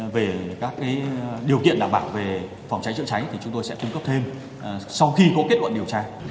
về các điều kiện đảm bảo về phòng cháy chữa cháy thì chúng tôi sẽ cung cấp thêm sau khi có kết luận điều tra